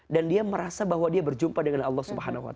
dan dia merasa bahwa dia berjumpa dengan allah swt